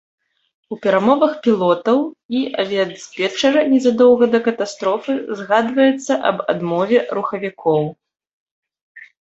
У перамовах пілотаў і авіядыспетчара незадоўга да катастрофы згадваецца аб адмове рухавікоў.